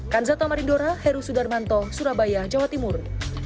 kanzato marindora heru sudarmanto surabaya jawa timur